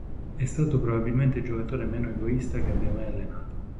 È stato probabilmente il giocatore meno egoista che abbia mai allenato.